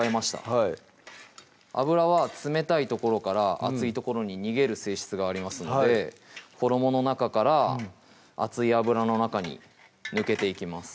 はい油は冷たい所から熱い所に逃げる性質がありますので衣の中から熱い油の中に抜けていきます